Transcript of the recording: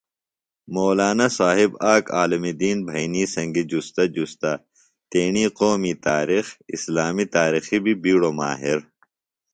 مولانا صاحب آک عالم دین بھئنی سنگیۡ جُستہ جُستہ تیݨی قومی تاریخ ، اسلامی تاریخی بی بیڈوۡ ماہر